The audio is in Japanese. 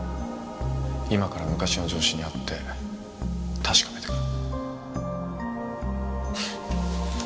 今から昔の上司に会って確かめてくる。